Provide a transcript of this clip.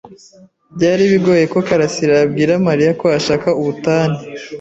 Byari bigoye ko Karasiraabwira Mariya ko ashaka ubutane.